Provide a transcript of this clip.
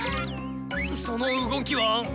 その動きは。